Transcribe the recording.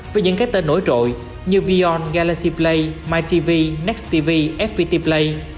với những cái tên nổi trội như vion galaxy play mytv nexttv fpt play